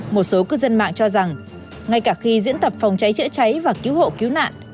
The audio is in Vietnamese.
một số cư dân mạng cho rằng ngay cả khi diễn tập phòng cháy chữa cháy và cứu hộ cứu nạn